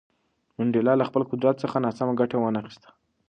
منډېلا له خپل قدرت څخه ناسمه ګټه ونه خیسته.